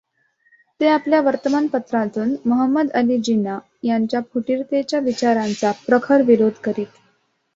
ते आपल्या वर्तमानपत्रांतून मोहंमद अली जिना यांच्या फुटीरतेच्या विचारांचा प्रखर विरोध करीत.